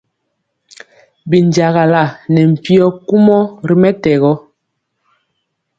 Binjagala ne mpyo kumɔ ri mɛtɛgɔ.